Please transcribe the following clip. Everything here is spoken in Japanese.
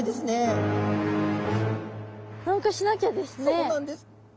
そうなんです。